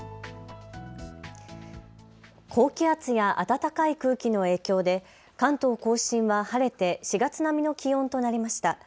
高気圧や暖かい空気の影響で関東甲信は晴れて４月並みの気温となりました。